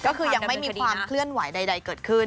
ก็คือยังไม่มีความเคลื่อนไหวใดเกิดขึ้น